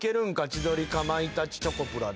千鳥かまいたちチョコプラで。